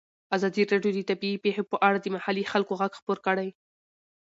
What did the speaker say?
ازادي راډیو د طبیعي پېښې په اړه د محلي خلکو غږ خپور کړی.